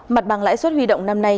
mặt bằng lãi suất huy động năm nay